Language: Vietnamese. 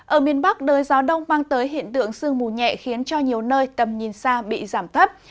ở miền bắc đời gió đông mang tới hiện tượng sương mù nhẹ khiến cho nhiều nơi tầm nhìn xa bị giảm thấp